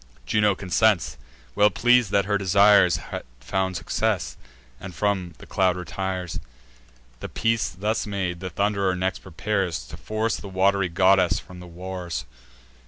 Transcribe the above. Juno consents, well pleas'd that her desires Had found success, and from the cloud retires. The peace thus made, the Thund'rer next prepares To force the wat'ry goddess from the wars.